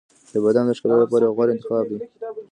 • بادام د ښکلا لپاره یو غوره انتخاب دی.